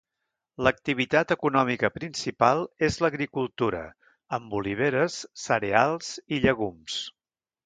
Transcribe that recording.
L'activitat econòmica principal és l'agricultura amb oliveres, cereals i llegums.